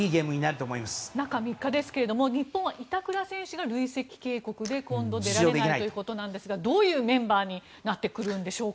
中３日ですけれども日本は板倉選手が累積警告で今度、出られないということなんですがどういうメンバーになってくるんでしょうか？